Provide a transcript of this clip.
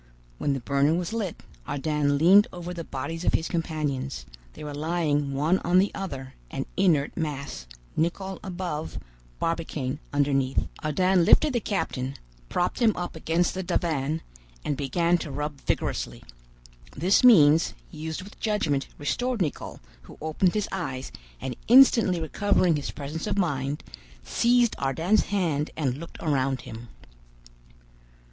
When the burner was lit, Ardan leaned over the bodies of his companions: they were lying one on the other, an inert mass, Nicholl above, Barbicane underneath. Ardan lifted the captain, propped him up against the divan, and began to rub vigorously. This means, used with judgment, restored Nicholl, who opened his eyes, and instantly recovering his presence of mind, seized Ardan's hand and looked around him.